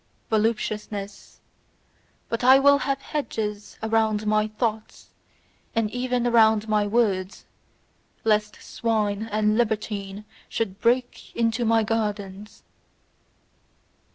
Voluptuousness: but I will have hedges around my thoughts, and even around my words, lest swine and libertine should break into my gardens!